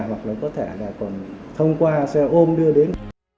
hoặc là có thể là còn thông qua xe ôm đưa đến